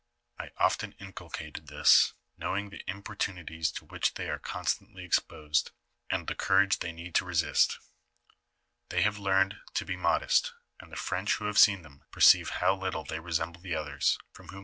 I often inculcated this, knowing the importunities to which they are constantly exposed, and the courage they need to resist. They have learned to be modest, and the French who have seen them, perceive how little they resem ble the others, from whom they are thus distinguished.